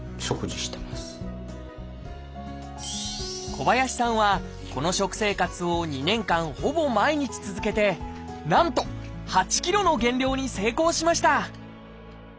小林さんはこの食生活を２年間ほぼ毎日続けてなんと８ｋｇの減量に成功しました！